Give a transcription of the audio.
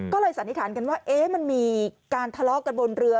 ก็เลยสันนิษฐานกันว่ามันมีการทะเลาะกันบนเรือ